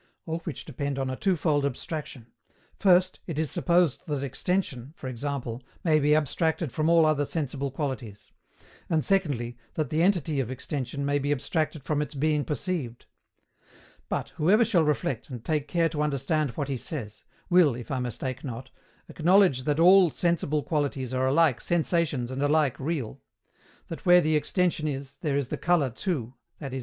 All which depend on a twofold abstraction; first, it is supposed that extension, for example, may be abstracted from all other sensible qualities; and secondly, that the entity of extension may be abstracted from its being perceived. But, whoever shall reflect, and take care to understand what he says, will, if I mistake not, acknowledge that all sensible qualities are alike sensations and alike real; that where the extension is, there is the colour, too, i.e.